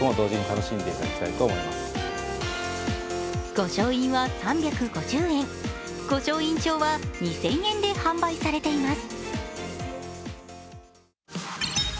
御翔印は３５０円、御翔印帳は２０００円で販売されています。